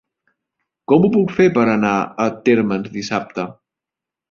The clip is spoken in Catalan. Com ho puc fer per anar a Térmens dissabte?